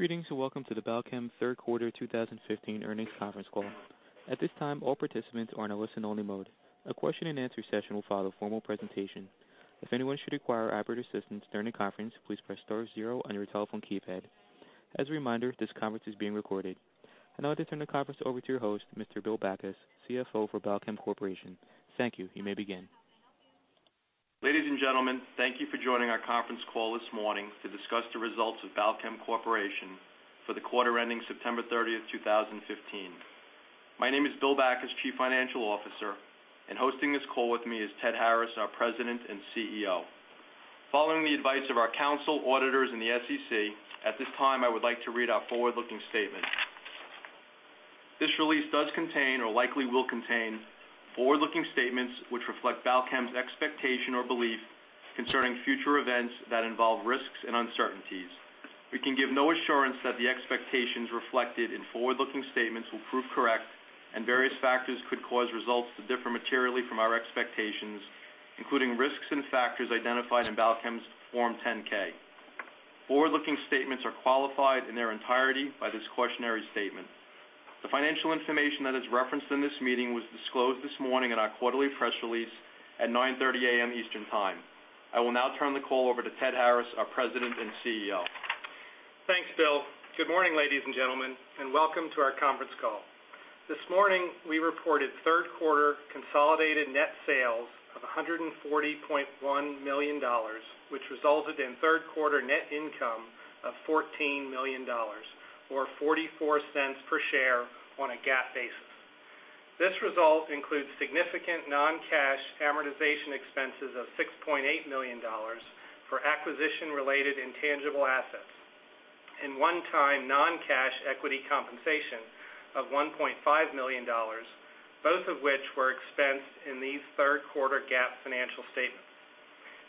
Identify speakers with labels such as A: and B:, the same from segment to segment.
A: Greetings, and welcome to the Balchem third quarter 2015 earnings conference call. At this time, all participants are in a listen-only mode. A question and answer session will follow formal presentation. If anyone should require operator assistance during the conference, please press star zero on your telephone keypad. As a reminder, this conference is being recorded. I would now like to turn the conference over to your host, Mr. Bill Backus, CFO for Balchem Corporation. Thank you. You may begin.
B: Ladies and gentlemen, thank you for joining our conference call this morning to discuss the results of Balchem Corporation for the quarter ending September 30th, 2015. My name is Bill Backus, Chief Financial Officer, and hosting this call with me is Ted Harris, our President and CEO. Following the advice of our counsel, auditors, and the SEC, at this time, I would like to read our forward-looking statement. This release does contain or likely will contain forward-looking statements which reflect Balchem's expectation or belief concerning future events that involve risks and uncertainties. We can give no assurance that the expectations reflected in forward-looking statements will prove correct, and various factors could cause results to differ materially from our expectations, including risks and factors identified in Balchem's Form 10-K. Forward-looking statements are qualified in their entirety by this cautionary statement. The financial information that is referenced in this meeting was disclosed this morning in our quarterly press release at 9:30 A.M. Eastern Time. I will now turn the call over to Ted Harris, our President and CEO.
C: Thanks, Bill. Good morning, ladies and gentlemen, and welcome to our conference call. This morning, we reported third quarter consolidated net sales of $140.1 million, which resulted in third quarter net income of $14 million, or $0.44 per share on a GAAP basis. This result includes significant non-cash amortization expenses of $6.8 million for acquisition-related intangible assets, and one-time non-cash equity compensation of $1.5 million, both of which were expensed in these third quarter GAAP financial statements.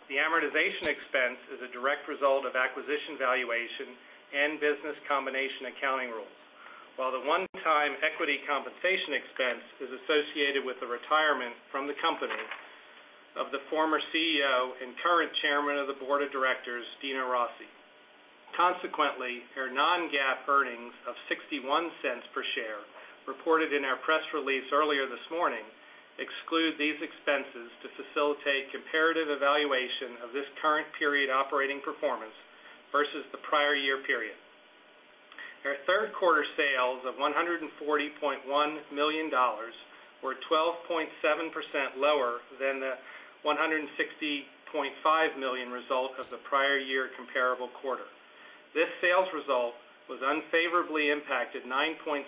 C: The amortization expense is a direct result of acquisition valuation and business combination accounting rules. While the one-time equity compensation expense is associated with the retirement from the company of the former CEO and current Chairman of the Board of Directors, Dino Rossi. Consequently, its non-GAAP earnings of $0.61 per share, reported in our press release earlier this morning, exclude these expenses to facilitate comparative evaluation of this current period operating performance versus the prior year period. Our third quarter sales of $140.1 million were 12.7% lower than the $160.5 million result of the prior year comparable quarter. This sales result was unfavorably impacted 9.6%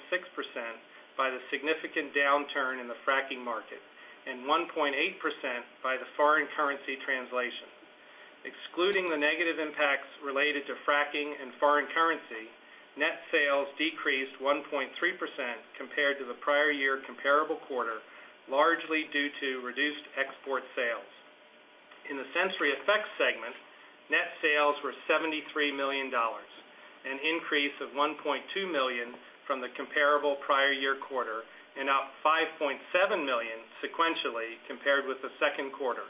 C: by the significant downturn in the fracking market, and 1.8% by the foreign currency translation. Excluding the negative impacts related to fracking and foreign currency, net sales decreased 1.3% compared to the prior year comparable quarter, largely due to reduced export sales. In the SensoryEffects segment, net sales were $73 million, an increase of $1.2 million from the comparable prior year quarter, and up $5.7 million sequentially compared with the second quarter,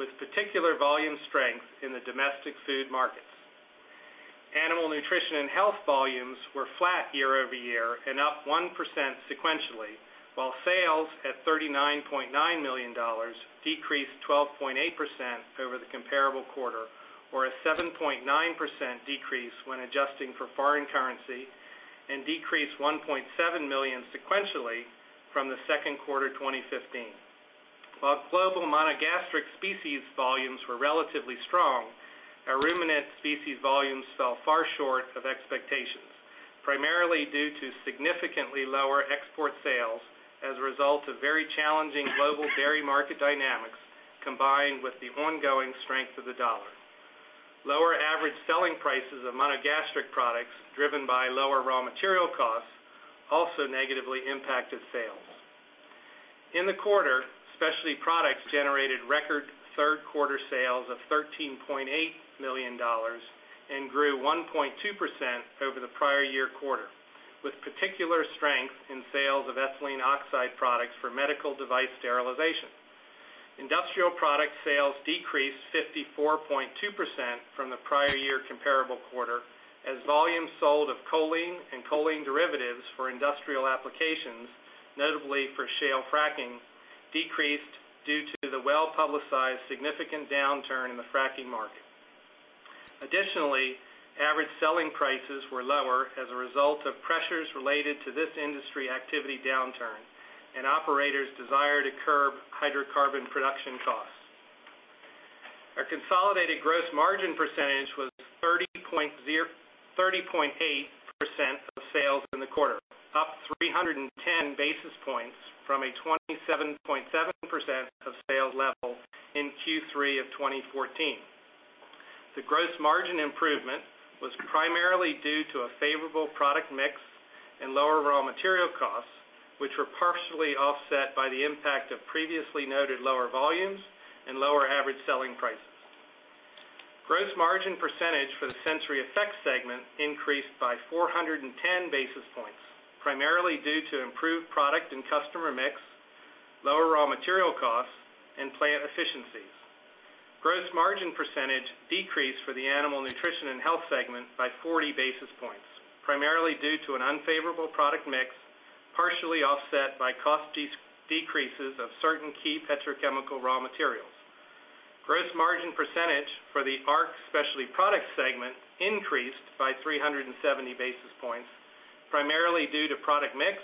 C: with particular volume strength in the domestic food markets. Animal Nutrition & Health volumes were flat year-over-year and up 1% sequentially, while sales at $39.9 million decreased 12.8% over the comparable quarter, or a 7.9% decrease when adjusting for foreign currency, and decreased $1.7 million sequentially from the second quarter 2015. While global monogastric species volumes were relatively strong, our ruminant species volumes fell far short of expectations, primarily due to significantly lower export sales as a result of very challenging global dairy market dynamics, combined with the ongoing strength of the dollar. Lower average selling prices of monogastric products, driven by lower raw material costs, also negatively impacted sales. In the quarter, ARC Specialty Products generated record third quarter sales of $13.8 million and grew 1.2% over the prior year quarter, with particular strength in sales of ethylene oxide products for medical device sterilization. Industrial Products sales decreased 54.2% from the prior year comparable quarter as volumes sold of choline and choline derivatives for industrial applications, notably for shale fracking, decreased due to the well-publicized significant downturn in the fracking market. Additionally, average selling prices were lower as a result of pressures related to this industry activity downturn and operators' desire to curb hydrocarbon production costs. Our consolidated gross margin percentage was 30.8% of sales in the quarter, up 310 basis points from a 27.7% of sales level in Q3 of 2014. The gross margin improvement was primarily due to a favorable product mix and lower raw material costs, which were partially offset by the impact of previously noted lower volumes and lower average selling prices. Gross margin percentage for the SensoryEffects segment increased by 410 basis points, primarily due to improved product and customer mix, lower raw material costs, and plant efficiencies. Gross margin percentage decreased for the Animal Nutrition & Health segment by 40 basis points, primarily due to an unfavorable product mix, partially offset by cost decreases of certain key petrochemical raw materials. Gross margin percentage for the ARC Specialty Products segment increased by 370 basis points, primarily due to product mix,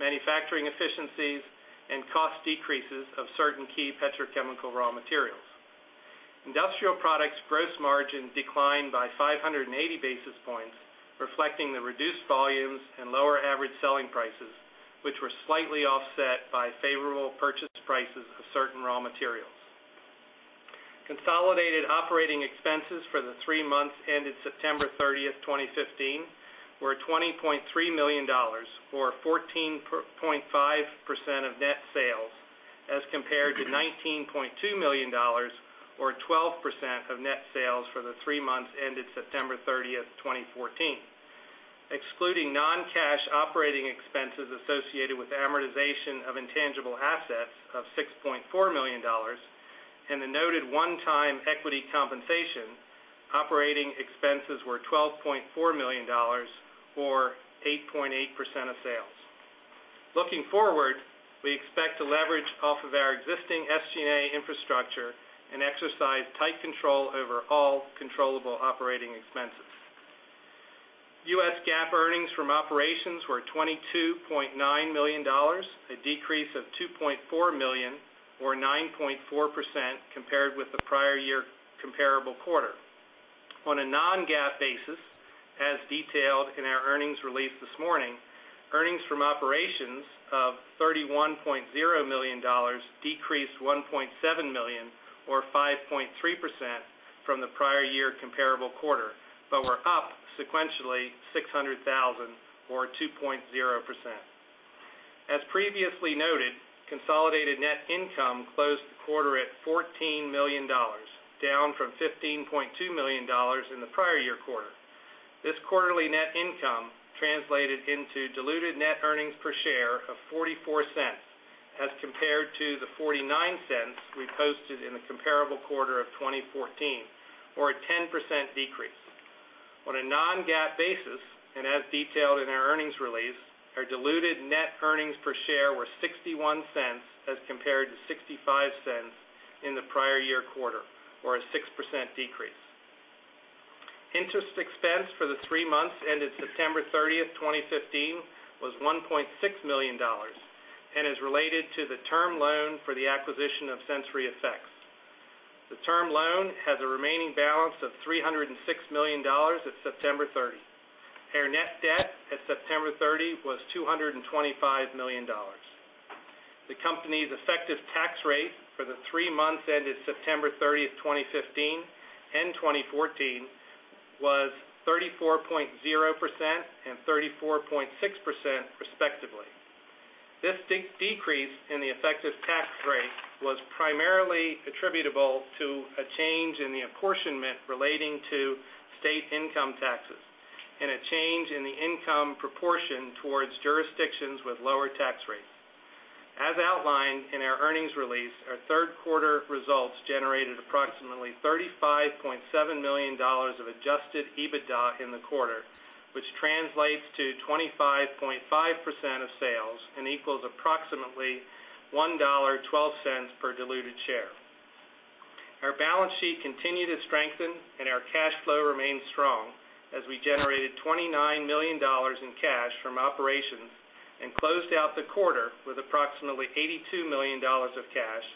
C: manufacturing efficiencies, and cost decreases of certain key petrochemical raw materials. Industrial Products gross margin declined by 580 basis points, reflecting the reduced volumes and lower average selling prices, which were slightly offset by favorable purchase prices of certain raw materials. Consolidated operating expenses for the three months ended September 30th, 2015, were $20.3 million, or 14.5% of net sales, as compared to $19.2 million, or 12% of net sales for the three months ended September 30th, 2014. Excluding non-cash operating expenses associated with amortization of intangible assets of $6.4 million, and the noted one-time equity compensation, operating expenses were $12.4 million, or 8.8% of sales. Looking forward, we expect to leverage off of our existing SG&A infrastructure and exercise tight control over all controllable operating expenses. U.S. GAAP earnings from operations were $22.9 million, a decrease of $2.4 million, or 9.4%, compared with the prior year comparable quarter. On a non-GAAP basis, as detailed in our earnings release this morning, earnings from operations of $31.0 million decreased $1.7 million, or 5.3%, from the prior year comparable quarter, but were up sequentially $600,000, or 2.0%. As previously noted, consolidated net income closed the quarter at $14 million, down from $15.2 million in the prior year quarter. This quarterly net income translated into diluted net earnings per share of $0.44 as compared to the $0.49 we posted in the comparable quarter of 2014, or a 10% decrease. On a non-GAAP basis, as detailed in our earnings release, our diluted net earnings per share were $0.61 as compared to $0.65 in the prior year quarter, or a 6% decrease. Interest expense for the three months ended September 30th, 2015, was $1.6 million and is related to the term loan for the acquisition of SensoryEffects. The term loan has a remaining balance of $306 million at September 30. Our net debt at September 30 was $225 million. The company's effective tax rate for the three months ended September 30th, 2015, and 2014 was 34.0% and 34.6% respectively. This decrease in the effective tax rate was primarily attributable to a change in the apportionment relating to state income taxes and a change in the income proportion towards jurisdictions with lower tax rates. As outlined in our earnings release, our third quarter results generated approximately $35.7 million of adjusted EBITDA in the quarter, which translates to 25.5% of sales and equals approximately $1.12 per diluted share. Our balance sheet continued to strengthen, and our cash flow remained strong as we generated $29 million in cash from operations and closed out the quarter with approximately $82 million of cash.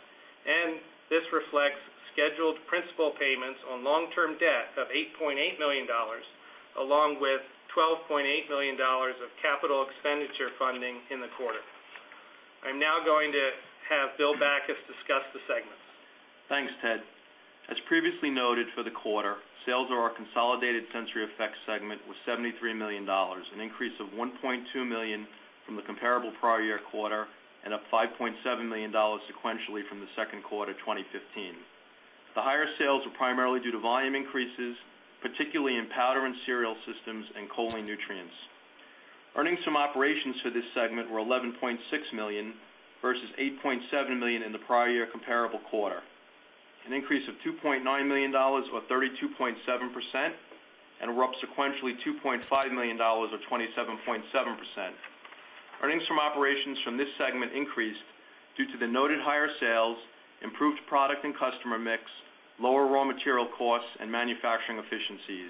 C: This reflects scheduled principal payments on long-term debt of $8.8 million, along with $12.8 million of capital expenditure funding in the quarter. I'm now going to have Bill Backus discuss the segments.
B: Thanks, Ted. As previously noted for the quarter, sales of our consolidated SensoryEffects segment was $73 million, an increase of $1.2 million from the comparable prior year quarter and up $5.7 million sequentially from the second quarter 2015. The higher sales were primarily due to volume increases, particularly in powder and cereal systems and choline nutrients. Earnings from operations for this segment were $11.6 million versus $8.7 million in the prior year comparable quarter, an increase of $2.9 million, or 32.7%, and we're up sequentially $2.5 million, or 27.7%. Earnings from operations from this segment increased due to the noted higher sales, improved product and customer mix, lower raw material costs, and manufacturing efficiencies.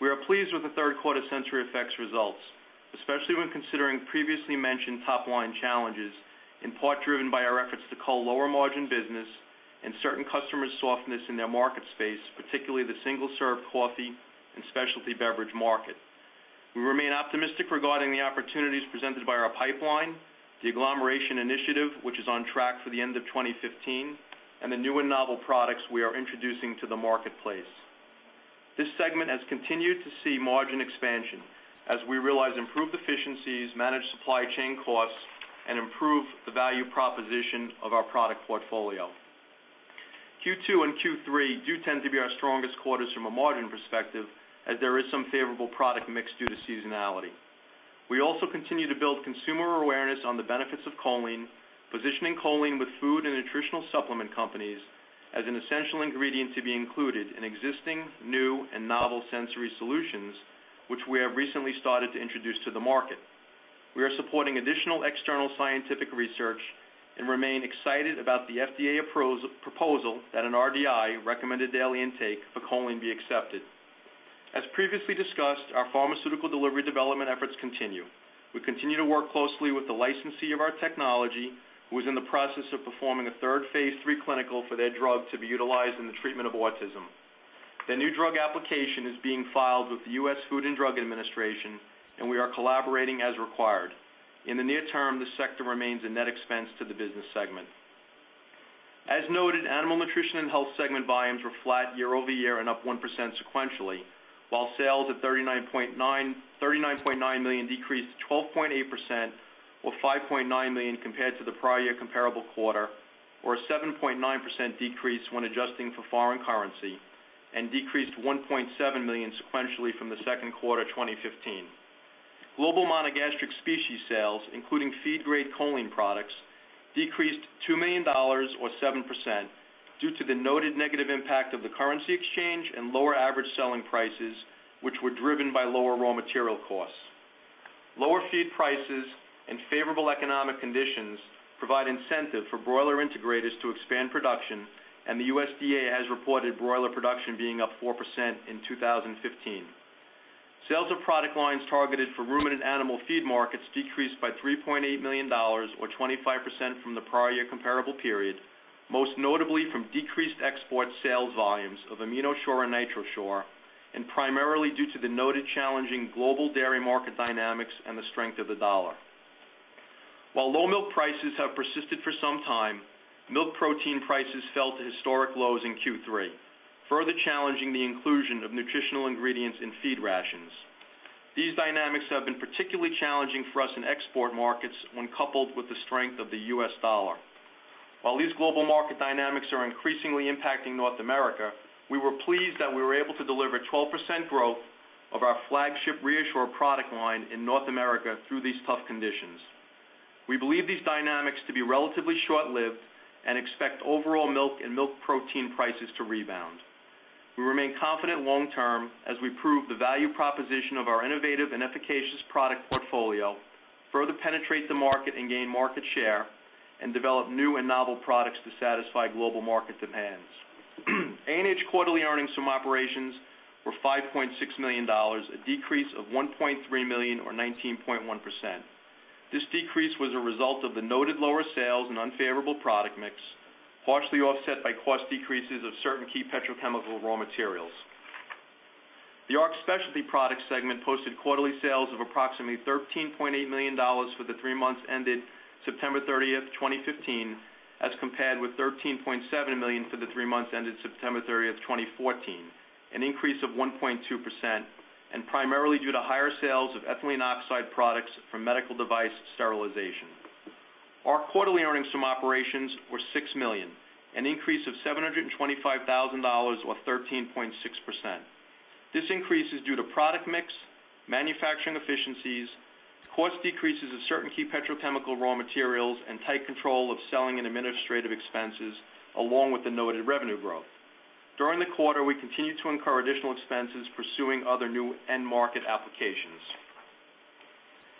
B: We are pleased with the third quarter SensoryEffects results, especially when considering previously mentioned top-line challenges, in part driven by our efforts to cull lower-margin business and certain customer softness in their market space, particularly the single-serve coffee and specialty beverage market. We remain optimistic regarding the opportunities presented by our pipeline, the agglomeration initiative, which is on track for the end of 2015, and the new and novel products we are introducing to the marketplace. This segment has continued to see margin expansion as we realize improved efficiencies, manage supply chain costs, and improve the value proposition of our product portfolio. Q2 and Q3 do tend to be our strongest quarters from a margin perspective, as there is some favorable product mix due to seasonality. We also continue to build consumer awareness on the benefits of choline, positioning choline with food and nutritional supplement companies as an essential ingredient to be included in existing, new and novel sensory solutions, which we have recently started to introduce to the market. We are supporting additional external scientific research and remain excited about the FDA proposal that an RDI, recommended daily intake, for choline be accepted. As previously discussed, our pharmaceutical delivery development efforts continue. We continue to work closely with the licensee of our technology, who is in the process of performing a third phase III clinical for their drug to be utilized in the treatment of autism. Their new drug application is being filed with the U.S. Food and Drug Administration, and we are collaborating as required. In the near term, this sector remains a net expense to the business segment. As noted, Animal Nutrition & Health segment volumes were flat year-over-year and up 1% sequentially, while sales at $39.9 million decreased to 12.8%, or $5.9 million compared to the prior year comparable quarter, or a 7.9% decrease when adjusting for foreign currency, and decreased to $1.7 million sequentially from the second quarter 2015. Global monogastric species sales, including feed grade choline products, decreased $2 million or 7%, due to the noted negative impact of the currency exchange and lower average selling prices, which were driven by lower raw material costs. Lower feed prices and favorable economic conditions provide incentive for broiler integrators to expand production, and the USDA has reported broiler production being up 4% in 2015. Sales of product lines targeted for ruminant animal feed markets decreased by $3.8 million or 25% from the prior year comparable period, most notably from decreased export sales volumes of AminoShure and NitroShure, and primarily due to the noted challenging global dairy market dynamics and the strength of the U.S. dollar. While low milk prices have persisted for some time, milk protein prices fell to historic lows in Q3, further challenging the inclusion of nutritional ingredients in feed rations. These dynamics have been particularly challenging for us in export markets when coupled with the strength of the U.S. dollar. While these global market dynamics are increasingly impacting North America, we were pleased that we were able to deliver 12% growth of our flagship ReaShure product line in North America through these tough conditions. We believe these dynamics to be relatively short-lived and expect overall milk and milk protein prices to rebound. We remain confident long term as we prove the value proposition of our innovative and efficacious product portfolio, further penetrate the market and gain market share, and develop new and novel products to satisfy global market demands. A&H quarterly earnings from operations were $5.6 million, a decrease of $1.3 million or 19.1%. This decrease was a result of the noted lower sales and unfavorable product mix, partially offset by cost decreases of certain key petrochemical raw materials. The ARC Specialty Products segment posted quarterly sales of approximately $13.8 million for the three months ended September 30th, 2015, as compared with $13.7 million for the three months ended September 30th, 2014, an increase of 1.2%, and primarily due to higher sales of ethylene oxide products for medical device sterilization. ARC quarterly earnings from operations were $6 million, an increase of $725,000, or 13.6%. This increase is due to product mix, manufacturing efficiencies, cost decreases of certain key petrochemical raw materials, and tight control of selling and administrative expenses along with the noted revenue growth. During the quarter, we continued to incur additional expenses pursuing other new end market applications.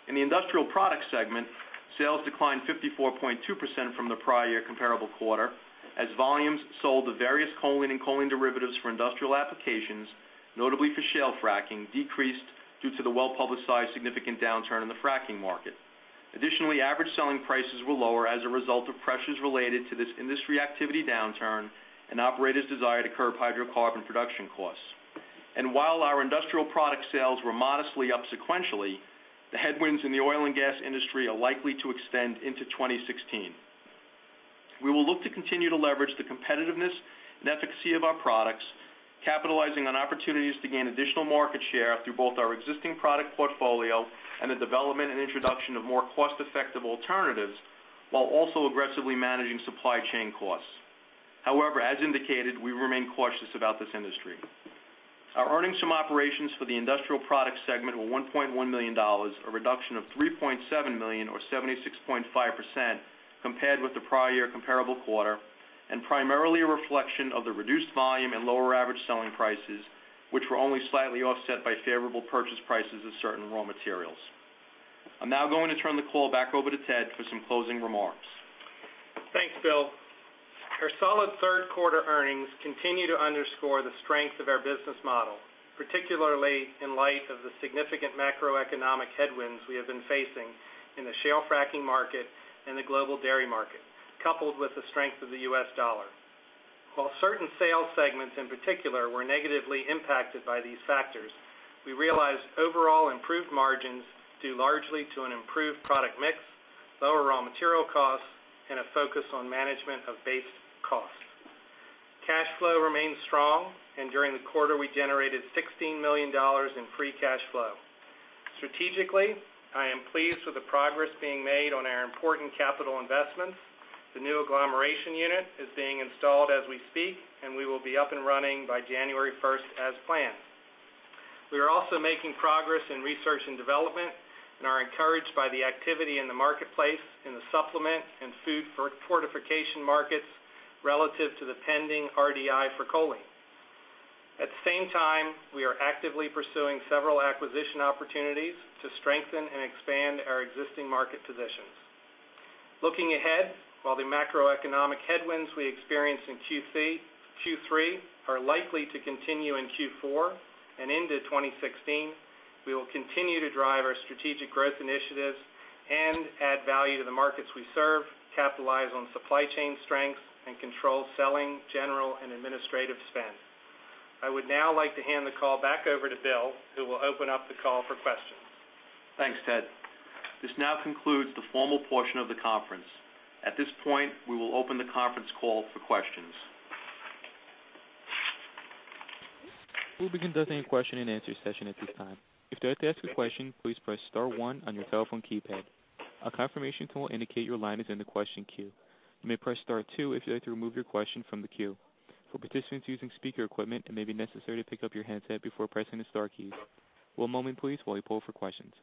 B: In the Industrial Products segment, sales declined 54.2% from the prior year comparable quarter, as volumes sold of various choline and choline derivatives for industrial applications, notably for shale fracking, decreased due to the well-publicized significant downturn in the fracking market. Additionally, average selling prices were lower as a result of pressures related to this industry activity downturn and operators' desire to curb hydrocarbon production costs. While our industrial product sales were modestly up sequentially, the headwinds in the oil and gas industry are likely to extend into 2016. We will look to continue to leverage the competitiveness and efficacy of our products, capitalizing on opportunities to gain additional market share through both our existing product portfolio and the development and introduction of more cost-effective alternatives, while also aggressively managing supply chain costs. However, as indicated, we remain cautious about this industry. Our earnings from operations for the Industrial Products segment were $1.1 million, a reduction of $3.7 million or 76.5%, compared with the prior year comparable quarter, and primarily a reflection of the reduced volume and lower average selling prices, which were only slightly offset by favorable purchase prices of certain raw materials. I'm now going to turn the call back over to Ted for some closing remarks.
C: Thanks, Bill. Our solid third quarter earnings continue to underscore the strength of our business model, particularly in light of the significant macroeconomic headwinds we have been facing in the shale fracking market and the global dairy market, coupled with the strength of the U.S. dollar. While certain sales segments in particular were negatively impacted by these factors, we realized overall improved margins, due largely to an improved product mix, lower raw material costs, and a focus on management of base costs. Cash flow remains strong, and during the quarter, we generated $16 million in free cash flow. Strategically, I am pleased with the progress being made on our important capital investments. The new agglomeration unit is being installed as we speak, and we will be up and running by January 1st as planned. We are also making progress in research and development and are encouraged by the activity in the marketplace, in the supplement and food fortification markets relative to the pending RDI for choline. At the same time, we are actively pursuing several acquisition opportunities to strengthen and expand our existing market positions. Looking ahead, while the macroeconomic headwinds we experienced in Q3 are likely to continue in Q4 and into 2016, we will continue to drive our strategic growth initiatives and add value to the markets we serve, capitalize on supply chain strengths, and control selling, general, and administrative spend. I would now like to hand the call back over to Bill, who will open up the call for questions.
B: Thanks, Ted. This now concludes the formal portion of the conference. At this point, we will open the conference call for questions.
A: We'll begin the question and answer session at this time. If you'd like to ask a question, please press star one on your telephone keypad. A confirmation tone will indicate your line is in the question queue. You may press star two if you'd like to remove your question from the queue. For participants using speaker equipment, it may be necessary to pick up your handset before pressing the star keys. One moment please while we poll for questions.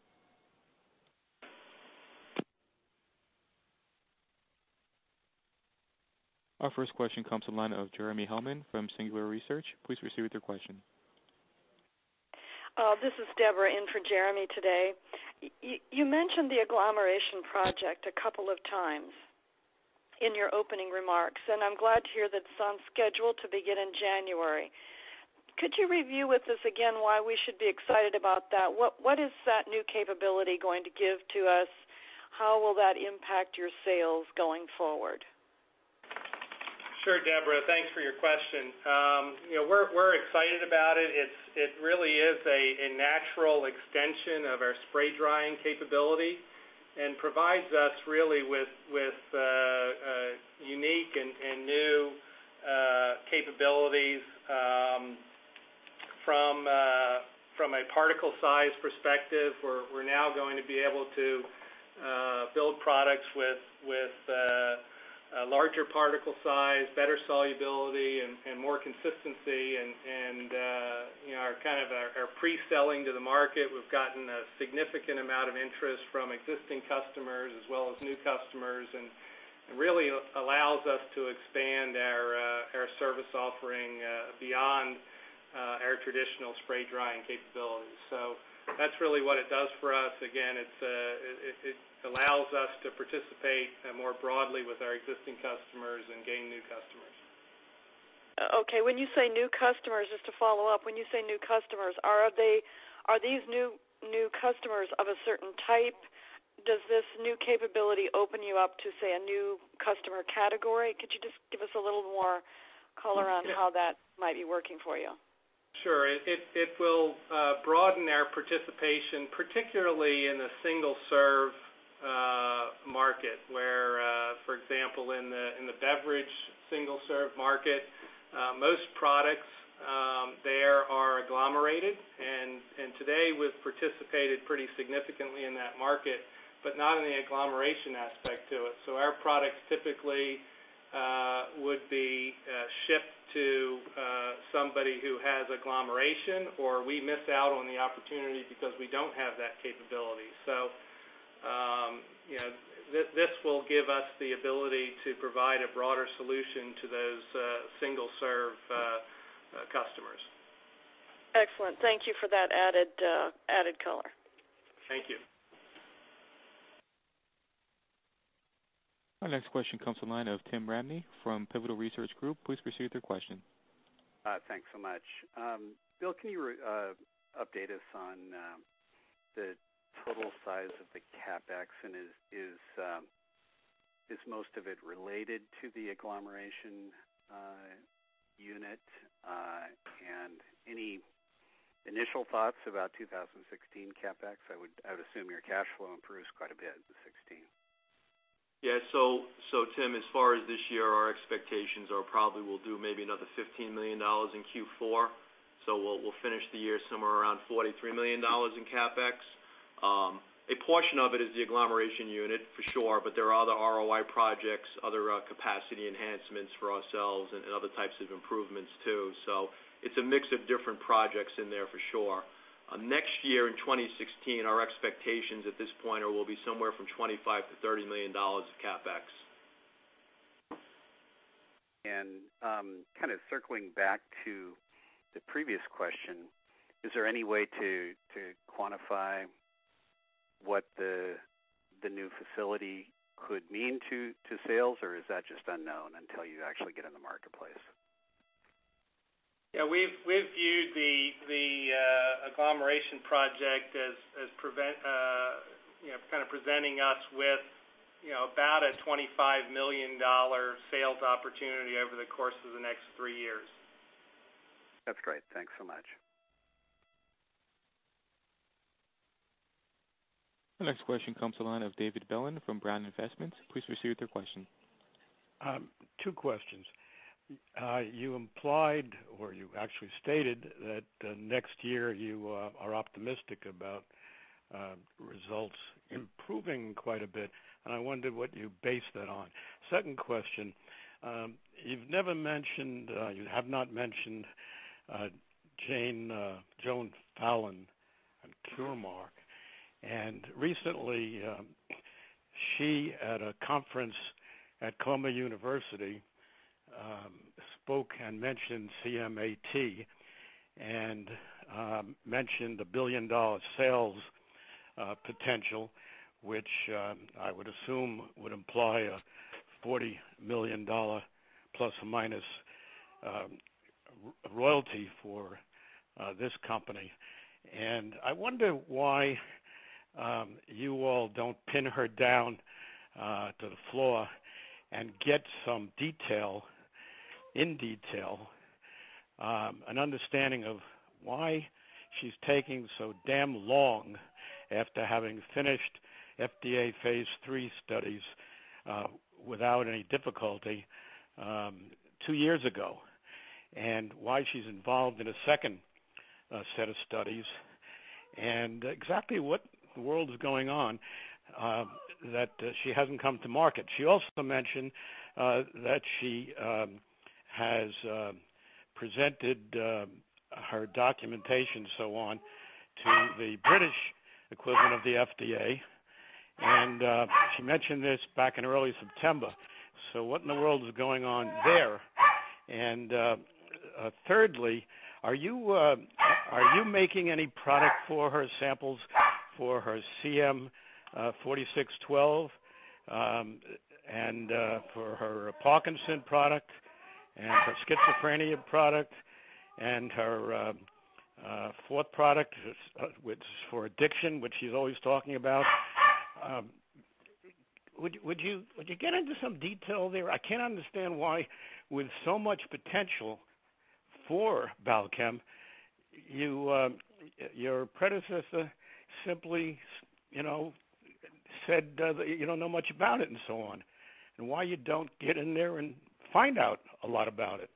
A: Our first question comes to the line of Jeremy Hellman from Singular Research. Please proceed with your question.
D: This is Deborah in for Jeremy today. You mentioned the agglomeration project a couple of times in your opening remarks, and I'm glad to hear that it's on schedule to begin in January. Could you review with us again why we should be excited about that? What is that new capability going to give to us? How will that impact your sales going forward?
C: Sure, Deborah. Thanks for your question. We're excited about it. It really is a natural extension of our spray drying capability and provides us really with unique and new capabilities from a particle size perspective. We're now going to be able to build products with larger particle size, better solubility, and more consistency, and are preselling to the market. We've gotten a significant amount of interest from existing customers as well as new customers, and it really allows us to expand our service offering beyond our traditional spray drying capabilities. That's really what it does for us. Again, it allows us to participate more broadly with our existing customers and gain new customers.
D: Okay. When you say new customers, just to follow up, when you say new customers, are these new customers of a certain type? Does this new capability open you up to, say, a new customer category? Could you just give us a little more color on how that might be working for you?
C: Sure. It will broaden our participation, particularly in the single-serve market where, for example, in the beverage single-serve market, most products there are agglomerated, and today we've participated pretty significantly in that market, but not in the agglomeration aspect to it. Our products typically would be shipped to somebody who has agglomeration, or we miss out on the opportunity because we don't have that capability. This will give us the ability to provide a broader solution to those single-serve customers.
D: Excellent. Thank you for that added color.
C: Thank you.
A: Our next question comes to line of Tim Ramey from Pivotal Research Group. Please proceed with your question.
E: Thanks so much. Bill, can you update us on the total size of the CapEx, and is most of it related to the agglomeration unit? Any initial thoughts about 2016 CapEx? I would assume your cash flow improves quite a bit in 2016.
B: Yeah. Tim, as far as this year, our expectations are probably we'll do maybe another $15 million in Q4. We'll finish the year somewhere around $43 million in CapEx. A portion of it is the agglomeration unit for sure, but there are other ROI projects, other capacity enhancements for ourselves, and other types of improvements, too. It's a mix of different projects in there for sure. Next year, in 2016, our expectations at this point are will be somewhere from $25 million-$30 million of CapEx.
E: Kind of circling back to the previous question, is there any way to quantify what the new facility could mean to sales, or is that just unknown until you actually get in the marketplace?
C: Yeah, we've viewed the agglomeration project as kind of presenting us with about a $25 million sales opportunity over the course of the next three years.
E: That's great. Thanks so much.
A: The next question comes to the line of David Bellin from Brown Investments. Please proceed with your question.
F: Two questions. You implied, or you actually stated that next year you are optimistic about results improving quite a bit. I wondered what you based that on. Second question, you have not mentioned Joan Fallon and Curemark. Recently she, at a conference at Columbia University, spoke and mentioned CMAT, mentioned a billion-dollar sales potential, which I would assume would imply a $40 million plus or minus royalty for this company. I wonder why you all don't pin her down to the floor and get some detail, in detail, an understanding of why she's taking so damn long after having finished FDA phase III studies without any difficulty two years ago, why she's involved in a second set of studies, exactly what in the world is going on that she hasn't come to market. She also mentioned that she has presented her documentation and so on to the British equivalent of the FDA. She mentioned this back in early September. What in the world is going on there? Thirdly, are you making any product for her samples for her CM-4612, for her Parkinson product, her schizophrenia product, her fourth product, which is for addiction, which she's always talking about? Would you get into some detail there? I can't understand why with so much potential for Balchem, your predecessor simply said that you don't know much about it and so on, why you don't get in there and find out a lot about it.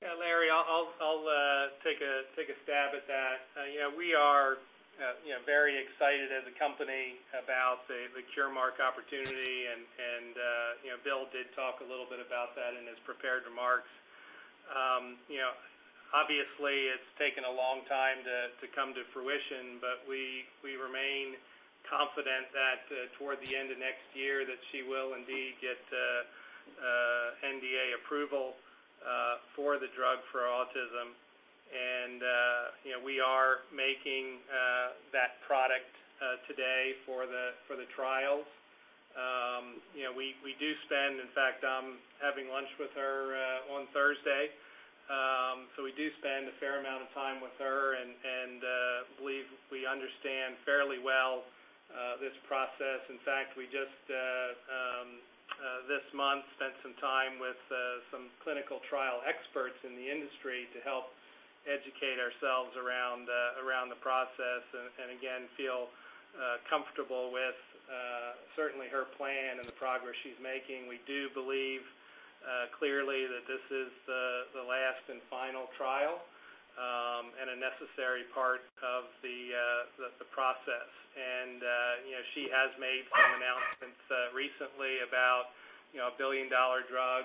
C: Yeah, Larry, I'll take a stab at that. We are very excited as a company about the Curemark opportunity. Bill did talk a little bit about that in his prepared remarks. Obviously, it's taken a long time to come to fruition, we remain confident that toward the end of next year that she will indeed get NDA approval for the drug for autism. We are making that product today for the trials. We do spend, in fact, I'm having lunch with her on Thursday. We do spend a fair amount of time with her and believe we understand fairly well this process. In fact, we just this month spent some time with some clinical trial experts in the industry to help educate ourselves around the process. Again, feel comfortable with certainly her plan and the progress she's making. We do believe clearly that this is the last and final trial, a necessary part of the process. She has made some announcements recently about a billion-dollar drug.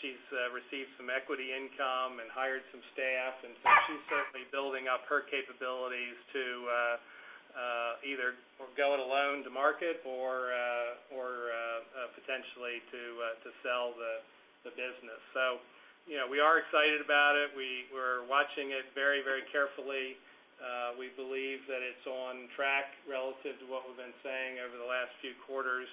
C: She's received some equity income and hired some staff, she's certainly building up her capabilities to either go it alone to market or potentially to sell the business. We are excited about it. We're watching it very carefully. We believe that it's on track relative to what we've been saying over the last few quarters.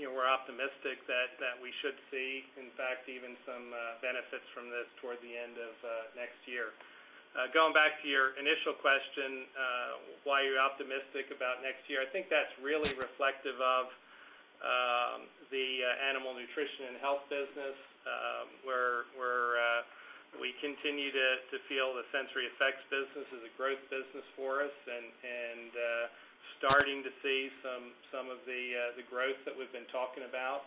C: We're optimistic that we should see, in fact, even some benefits from this toward the end of next year. Going back to your initial question, why you're optimistic about next year, I think that's really reflective of the Animal Nutrition & Health business, where we continue to feel the SensoryEffects business is a growth business for us and starting to see some of the growth that we've been talking about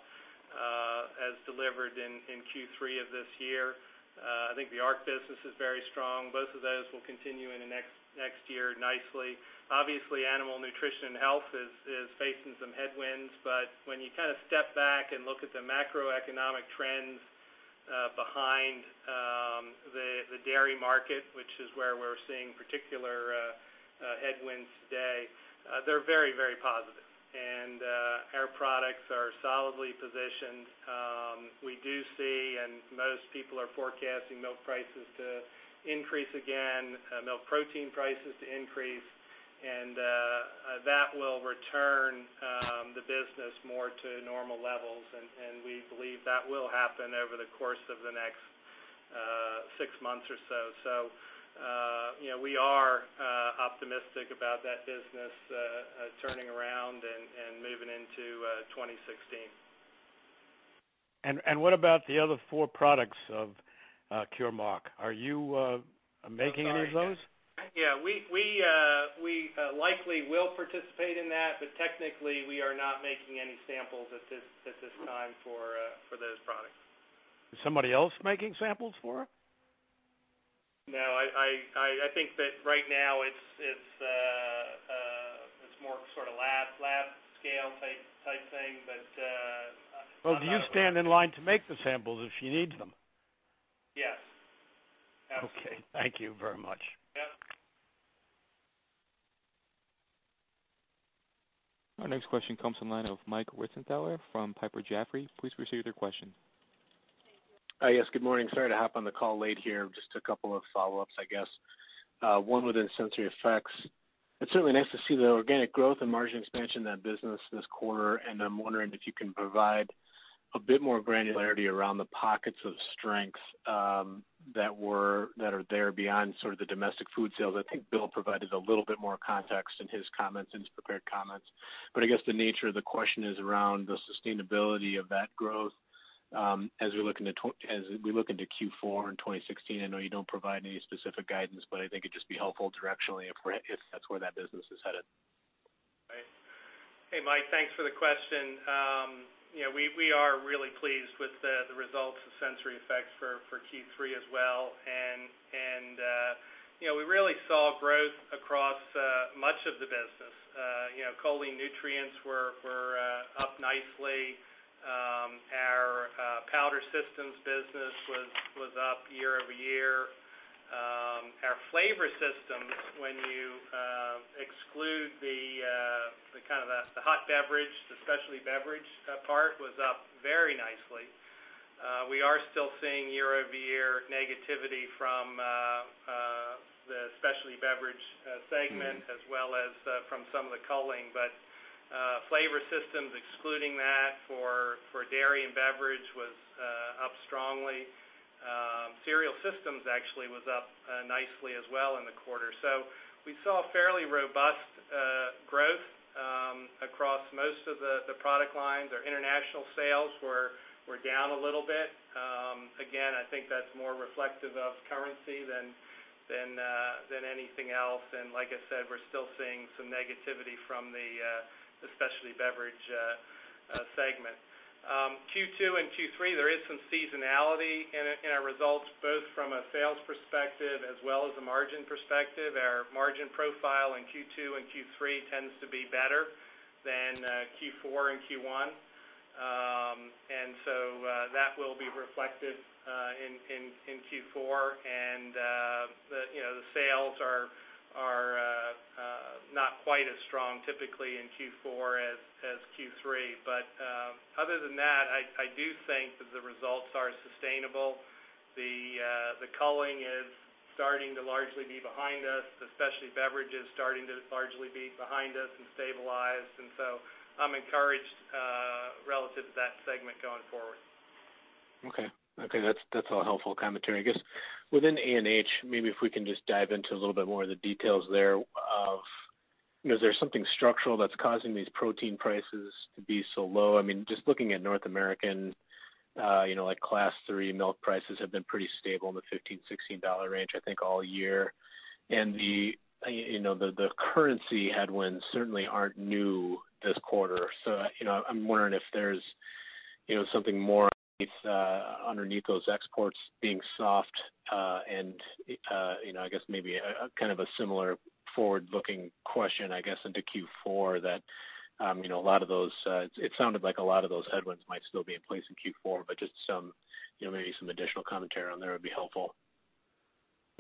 C: as delivered in Q3 of this year. I think the ARC business is very strong. Both of those will continue into next year nicely. Obviously, Animal Nutrition & Health is facing some headwinds, but when you step back and look at the macroeconomic trends behind the dairy market, which is where we're seeing particular headwinds today, they're very positive. Our products are solidly positioned. We do see, most people are forecasting milk prices to increase again, milk protein prices to increase, and that will return the business more to normal levels, and we believe that will happen over the course of the next six months or so. We are optimistic about that business turning around and moving into 2016.
F: What about the other four products of Curemark? Are you making any of those?
C: Yeah. We likely will participate in that, technically, we are not making any samples at this time for those products.
F: Is somebody else making samples for it?
C: No, I think that right now it's more sort of lab scale type thing.
F: Well, do you stand in line to make the samples if she needs them?
C: Yes. Absolutely.
F: Okay. Thank you very much.
C: Yep.
A: Our next question comes from line of Mike Ritzenthaler from Piper Jaffray. Please proceed with your question.
G: Yes. Good morning. Sorry to hop on the call late here. Just a couple of follow-ups, I guess. One within SensoryEffects. It's certainly nice to see the organic growth and margin expansion in that business this quarter. I'm wondering if you can provide a bit more granularity around the pockets of strength that are there beyond sort of the domestic food sales. I think Bill provided a little bit more context in his prepared comments. I guess the nature of the question is around the sustainability of that growth, as we look into Q4 in 2016. I know you don't provide any specific guidance, but I think it'd just be helpful directionally if that's where that business is headed.
C: Right. Hey, Mike. Thanks for the question. We are really pleased with the results of SensoryEffects for Q3 as well. We really saw growth across much of the business. choline nutrients were up nicely. Our powder systems business was up year-over-year. Our flavor systems, when you exclude the hot beverage, the specialty beverage part was up very nicely. We are still seeing year-over-year negativity from the specialty beverage segment, as well as from some of the culling. Flavor systems, excluding that for dairy and beverage, was up strongly. Cereal systems actually was up nicely as well in the quarter. We saw fairly robust growth across most of the product lines. Our international sales were down a little bit. Again, I think that's more reflective of currency than anything else. Like I said, we're still seeing some negativity from the specialty beverage segment. Q2 and Q3, there is some seasonality in our results, both from a sales perspective as well as a margin perspective. Our margin profile in Q2 and Q3 tends to be better than Q4 and Q1. That will be reflected in Q4 and the sales are not quite as strong typically in Q4 as Q3. Other than that, I do think that the results are sustainable. The culling is starting to largely be behind us. The specialty beverage is starting to largely be behind us and stabilized, I'm encouraged, relative to that segment going forward.
G: Okay. That's all helpful commentary. I guess within ANH, maybe if we can just dive into a little bit more of the details there of, is there something structural that's causing these protein prices to be so low? Just looking at North American, like Class III milk prices have been pretty stable in the $15, $16 range, I think all year. The currency headwinds certainly aren't new this quarter. I'm wondering if there's something more underneath those exports being soft, I guess maybe a similar forward-looking question, I guess, into Q4 that it sounded like a lot of those headwinds might still be in place in Q4, but just maybe some additional commentary on there would be helpful.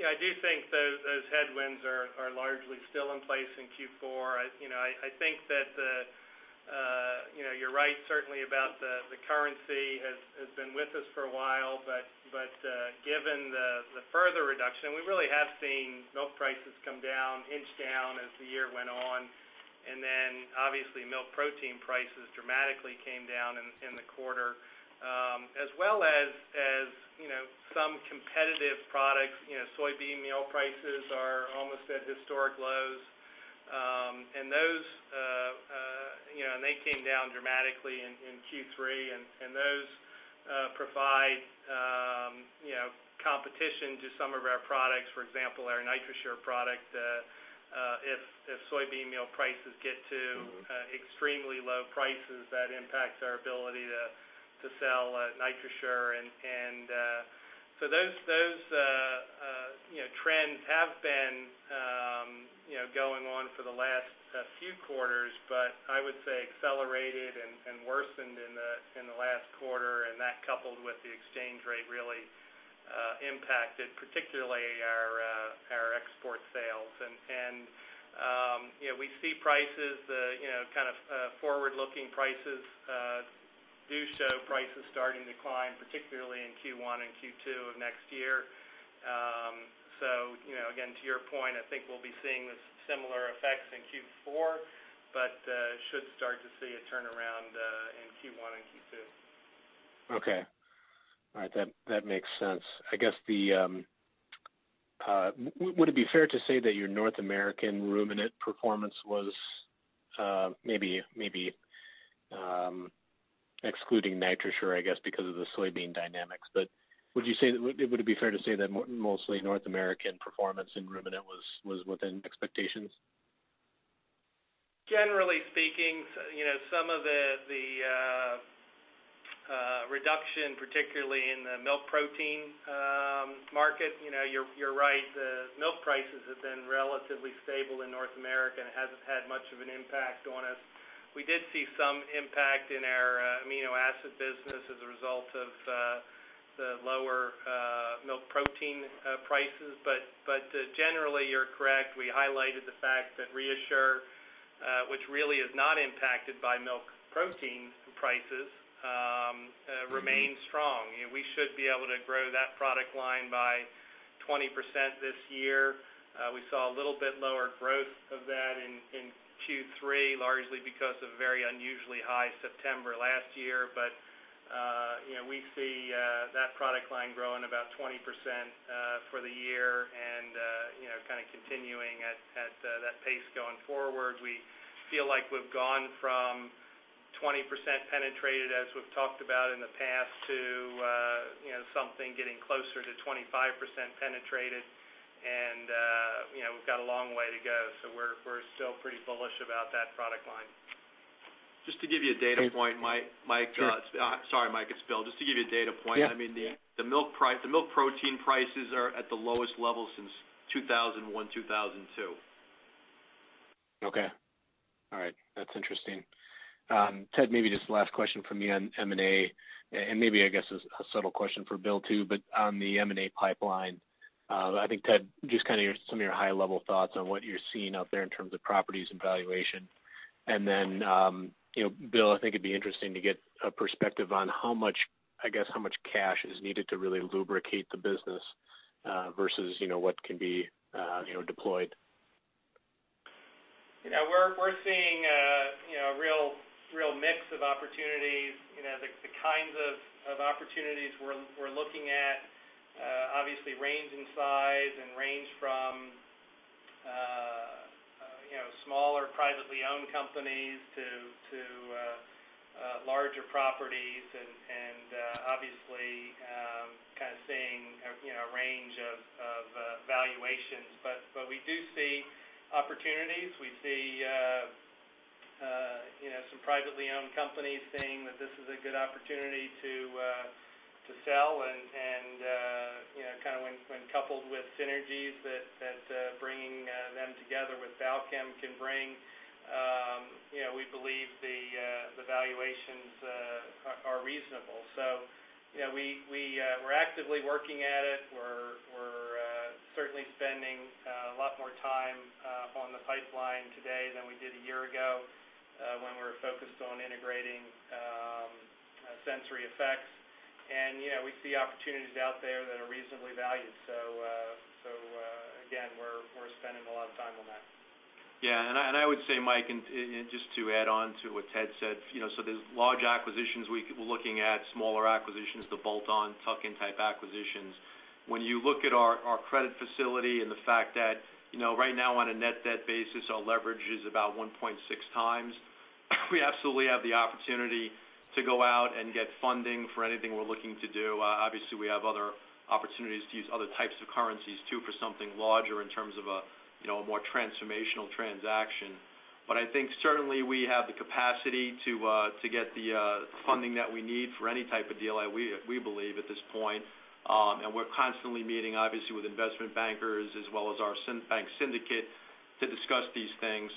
C: Yeah, I do think those headwinds are largely still in place in Q4. I think that you're right, certainly about the currency has been with us for a while, given the further reduction, we really have seen milk prices come down, inch down as the year went on. Obviously milk protein prices dramatically came down in the quarter. As well as some competitive products, soybean meal prices are almost at historic lows. They came down dramatically in Q3, those provide competition to some of our products. For example, our NitroShure product, if soybean meal prices get to extremely low prices, that impacts our ability to sell NitroShure. Those trends have been going on for the last few quarters, I would say accelerated and worsened in the last quarter, that coupled with the exchange rate really impacted particularly our export sales. We see prices, kind of forward-looking prices, do show prices starting to climb, particularly in Q1 and Q2 of next year. Again, to your point, I think we'll be seeing the similar effects in Q4, should start to see a turnaround in Q1 and Q2.
G: Okay. All right, that makes sense. I guess the Would it be fair to say that your North American ruminant performance was maybe excluding NitroShure, I guess, because of the soybean dynamics. Would it be fair to say that mostly North American performance in ruminant was within expectations?
C: Generally speaking, some of the reduction, particularly in the milk protein market, you're right. Milk prices have been relatively stable in North America and hasn't had much of an impact on us. We did see some impact in our amino acid business as a result of the lower milk protein prices. Generally, you're correct. We highlighted the fact that ReaShure, which really is not impacted by milk protein prices, remains strong. We should be able to grow that product line by 20% this year. We saw a little bit lower growth of that in Q3, largely because of a very unusually high September last year. We see that product line growing about 20% for the year and continuing at that pace going forward. We feel like we've gone from 20% penetrated, as we've talked about in the past, to something getting closer to 25% penetrated, and we've got a long way to go. We're still pretty bullish about that product line.
B: Just to give you a data point, Mike.
G: Sure.
B: Sorry, Mike. It's Bill. Just to give you a data point.
G: Yeah.
B: The milk protein prices are at the lowest level since 2001, 2002.
G: Okay. All right. That's interesting. Ted, maybe just the last question from me on M&A, and maybe I guess a subtle question for Bill, too, but on the M&A pipeline. I think, Ted, just some of your high-level thoughts on what you're seeing out there in terms of properties and valuation. Then Bill, I think it'd be interesting to get a perspective on how much cash is needed to really lubricate the business versus what can be deployed.
C: We're seeing a real mix of opportunities. The kinds of opportunities we're looking at obviously range in size and range from smaller privately owned companies to larger properties and obviously seeing a range of valuations. We do see opportunities. We see some privately owned companies seeing that this is a good opportunity to sell, and when coupled with synergies that bringing them together with Balchem can bring, we believe the valuations are reasonable. We're actively working at it. We're certainly spending a lot more time on the pipeline today than we did a year ago, when we were focused on integrating SensoryEffects. We see opportunities out there that are reasonably valued. Again, we're spending a lot of time on that.
B: I would say, Mike, and just to add on to what Ted said, there's large acquisitions we're looking at, smaller acquisitions, the bolt-on tuck-in type acquisitions. When you look at our credit facility and the fact that right now on a net debt basis, our leverage is about 1.6 times, we absolutely have the opportunity to go out and get funding for anything we're looking to do. Obviously, we have other opportunities to use other types of currencies, too, for something larger in terms of a more transformational transaction. I think certainly we have the capacity to get the funding that we need for any type of deal, we believe at this point. We're constantly meeting, obviously, with investment bankers as well as our bank syndicate to discuss these things.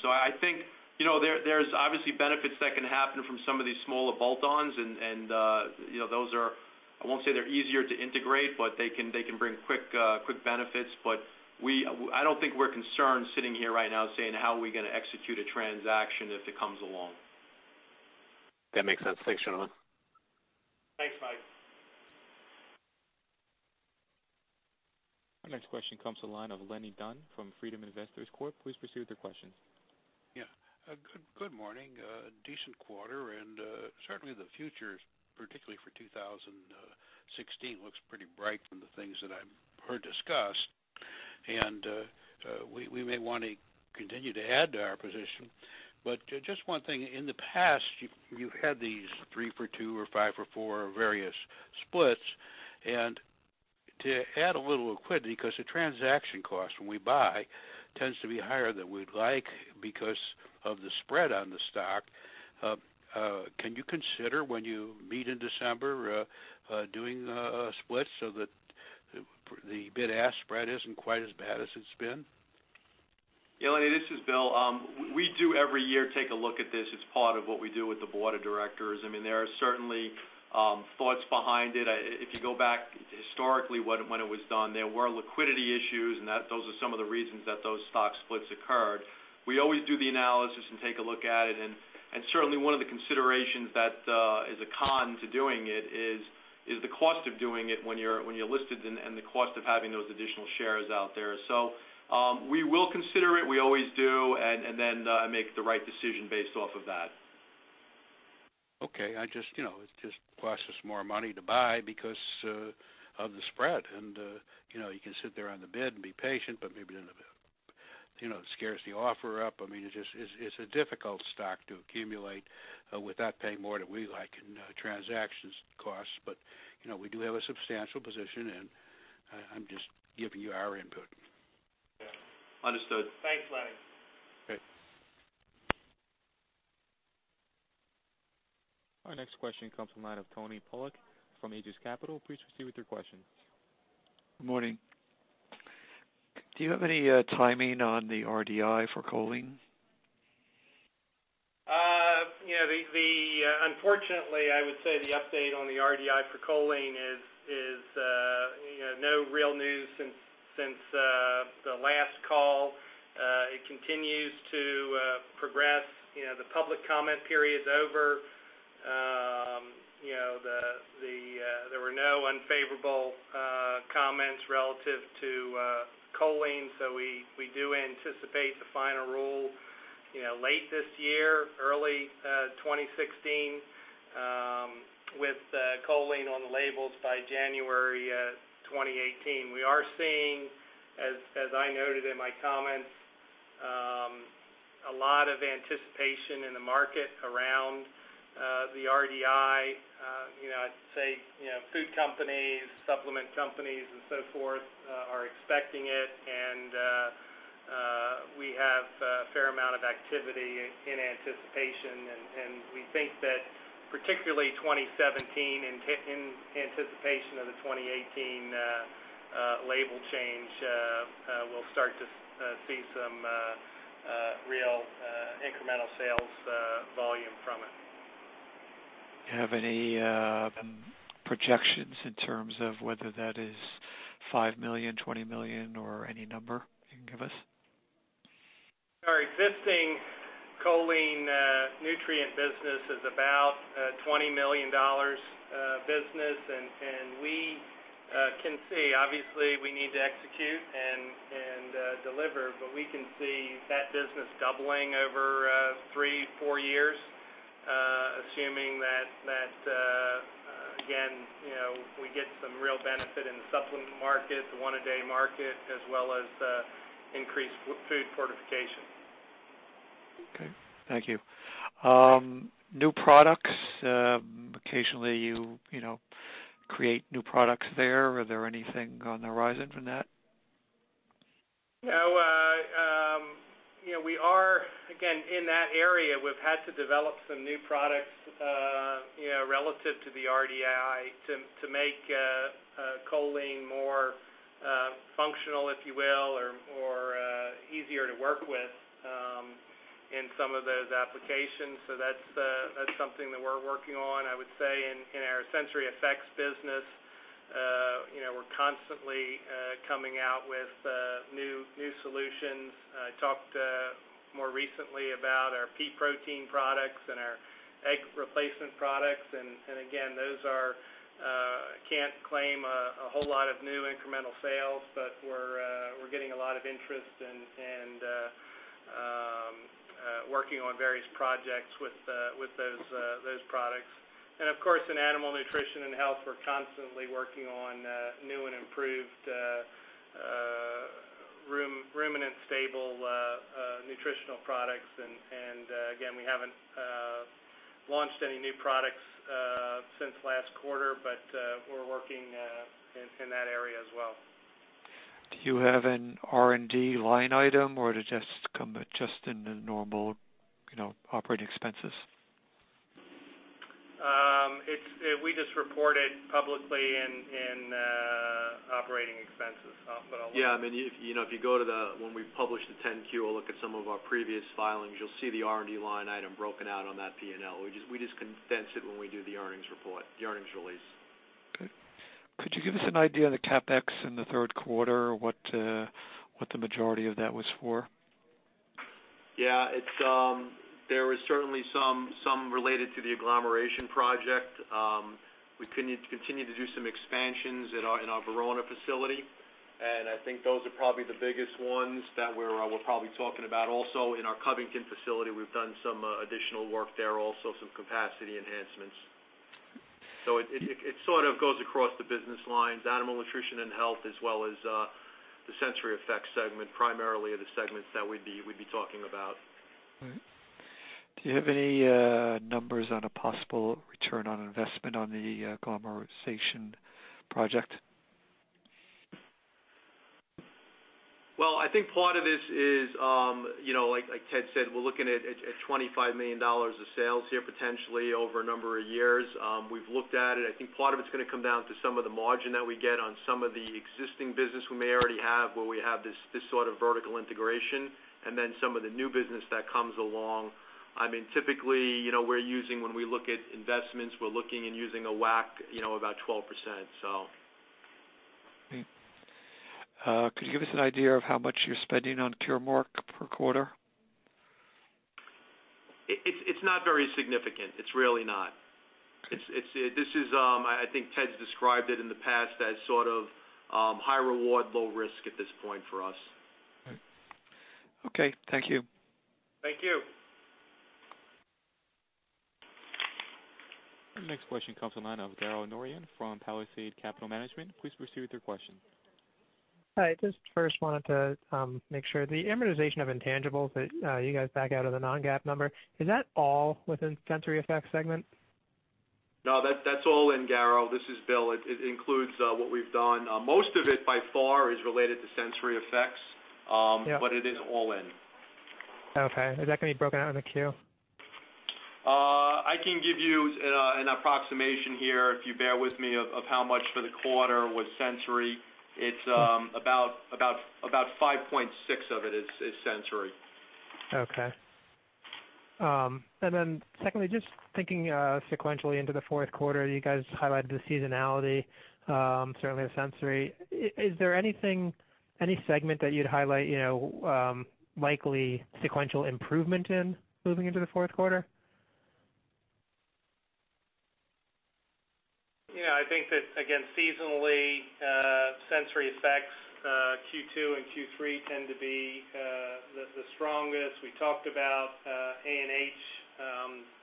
B: I think there's obviously benefits that can happen from some of these smaller bolt-ons, and those are, I won't say they're easier to integrate, but they can bring quick benefits. I don't think we're concerned sitting here right now saying, "How are we going to execute a transaction if it comes along?
G: That makes sense. Thanks, gentlemen.
C: Thanks, Mike.
A: Our next question comes to the line of Leonard Dunn from Freedom Investors Corp. Please proceed with your question.
H: Yeah. Good morning. A decent quarter and certainly the future, particularly for 2016, looks pretty bright from the things that I've heard discussed. We may want to continue to add to our position. Just one thing. In the past, you've had these three for two or five for four various splits. To add a little liquidity, because the transaction cost when we buy tends to be higher than we'd like because of the spread on the stock, can you consider when you meet in December doing a split so that the bid-ask spread isn't quite as bad as it's been?
B: Yeah, Lenny, this is Bill. We do every year take a look at this. It's part of what we do with the board of directors. There are certainly thoughts behind it. If you go back historically when it was done, there were liquidity issues, those are some of the reasons that those stock splits occurred. We always do the analysis and take a look at it, certainly one of the considerations that is a con to doing it is the cost of doing it when you're listed and the cost of having those additional shares out there. We will consider it, we always do, make the right decision based off of that.
H: Okay. It just costs us more money to buy because of the spread. You can sit there on the bid and be patient, but maybe it scares the offer up. It's a difficult stock to accumulate without paying more than we like in transactions costs. We do have a substantial position, I'm just giving you our input.
C: Yeah.
B: Understood.
C: Thanks, Lenny.
H: Okay.
A: Our next question comes from the line of Tony Pollock from Aegis Capital. Please proceed with your question.
I: Good morning. Do you have any timing on the RDI for choline?
C: Unfortunately, I would say the update on the RDI for choline is no real news since the last call. It continues to progress. The public comment period's over. There were no unfavorable comments relative to choline. We do anticipate the final rule late this year, early 2016, with choline on the labels by January 2018. We are seeing, as I noted in my comments, a lot of anticipation in the market around the RDI. I'd say food companies, supplement companies, and so forth, are expecting it, and we have a fair amount of activity in anticipation. We think that, particularly 2017, in anticipation of the 2018 label change, we'll start to see some real incremental sales volume from it.
I: Do you have any projections in terms of whether that is $5 million, $20 million, or any number you can give us?
C: Our existing choline nutrient business is about a $20 million business. We can see, obviously, we need to execute and deliver. We can see that business doubling over three, four years, assuming that, again, we get some real benefit in the supplement market, the One A Day market, as well as increased food fortification.
I: Okay. Thank you. New products. Occasionally, you create new products there. Are there anything on the horizon from that?
C: We are, again, in that area. We've had to develop some new products relative to the RDI to make choline more functional, if you will, or easier to work with in some of those applications. That's something that we're working on. I would say in our SensoryEffects business, we're constantly coming out with new solutions. I talked more recently about our pea protein products and our egg replacement products. Again, those can't claim a whole lot of new incremental sales, but we're getting a lot of interest and working on various projects with those products. Of course, in Animal Nutrition & Health, we're constantly working on new and improved ruminant stable nutritional products. Again, we haven't launched any new products since last quarter, but we're working in that area as well.
I: Do you have an R&D line item, or does it just come in the normal operating expenses?
C: We just report it publicly in operating expenses.
B: Yeah. If you go to when we publish the 10-Q or look at some of our previous filings, you'll see the R&D line item broken out on that P&L. We just condense it when we do the earnings release.
I: Okay. Could you give us an idea of the CapEx in the third quarter? What the majority of that was for?
B: Yeah. There was certainly some related to the agglomeration project. We continue to do some expansions in our Verona facility, and I think those are probably the biggest ones that we're probably talking about. Also, in our Covington facility, we've done some additional work there, also some capacity enhancements. It sort of goes across the business lines, Animal Nutrition & Health as well as the SensoryEffects segment, primarily are the segments that we'd be talking about.
I: All right. Do you have any numbers on a possible return on investment on the agglomeration project?
B: Well, I think part of this is, like Ted said, we're looking at $25 million of sales here, potentially over a number of years. We've looked at it. I think part of it's going to come down to some of the margin that we get on some of the existing business we may already have, where we have this sort of vertical integration, and then some of the new business that comes along. Typically, when we look at investments, we're looking and using a WACC about 12%.
I: Okay. Could you give us an idea of how much you're spending on Curemark per quarter?
B: It's not very significant. It's really not. I think Ted's described it in the past as sort of high reward, low risk at this point for us.
I: Okay.
J: Okay, thank you.
C: Thank you.
A: The next question comes on the line of Garo Norian from Palisade Capital Management. Please proceed with your question.
J: Hi, just first wanted to make sure. The amortization of intangibles that you guys back out of the non-GAAP number, is that all within Sensory Effects segment?
B: No, that's all in, Garo. This is Bill. It includes what we've done. Most of it, by far, is related to Sensory Effects. Yeah. It is all in.
J: Okay. Is that going to be broken out in the Q?
B: I can give you an approximation here, if you bear with me, of how much for the quarter was SensoryEffects. It's about 5.6 of it is SensoryEffects.
J: Okay. Then secondly, just thinking sequentially into the fourth quarter, you guys highlighted the seasonality, certainly of SensoryEffects. Is there any segment that you'd highlight likely sequential improvement in moving into the fourth quarter?
C: Yeah, I think that, again, seasonally, SensoryEffects Q2 and Q3 tend to be the strongest. We talked about ANH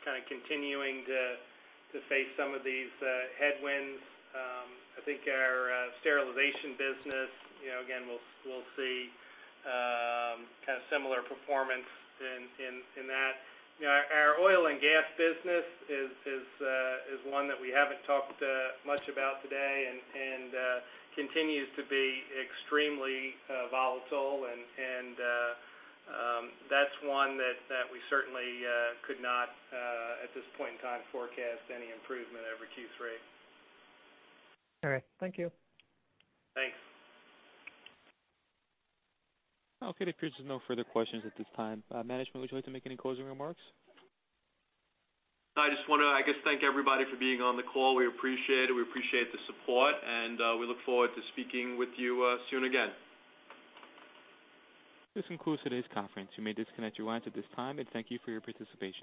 C: kind of continuing to face some of these headwinds. I think our sterilization business, again, we'll see kind of similar performance in that. Our oil and gas business is one that we haven't talked much about today and continues to be extremely volatile. That's one that we certainly could not, at this point in time, forecast any improvement over Q3.
J: All right. Thank you.
C: Thanks.
A: Okay, it appears there's no further questions at this time. Management, would you like to make any closing remarks?
C: I just want to, I guess, thank everybody for being on the call. We appreciate it. We appreciate the support, and we look forward to speaking with you soon again.
A: This concludes today's conference. You may disconnect your lines at this time, and thank you for your participation.